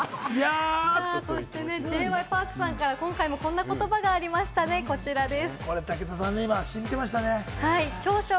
そしてＪ．Ｙ．Ｐａｒｋさん、今回もこんな言葉がありましたね、こちらです。